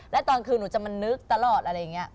แล้วตอนคืนหนูจะมานึกตลอดอะไรอย่างนี้